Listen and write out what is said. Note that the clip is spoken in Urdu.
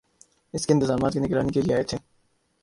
اس کے انتظامات کی نگرانی کیلئے آئے تھے